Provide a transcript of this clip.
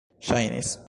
ŝajnis